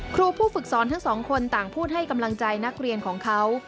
ครูผู้ฝึกสอนทั้งสองคนต่างพูดให้กำลังใจนักเรียนของเขา